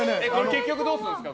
結局どうするんですか？